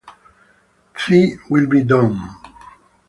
Thy Will Be Done